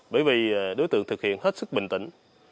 bởi vì đối tượng thực hiện hết sức bình tĩnh